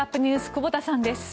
久保田さんです。